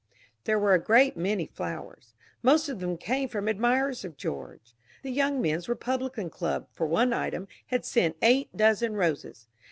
There were a great many flowers. Most of them came from admirers of George. The Young Men's Republican Club, for one item, had sent eight dozen roses.